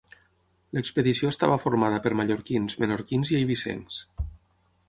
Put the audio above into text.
L'expedició estava formada per mallorquins, menorquins i eivissencs.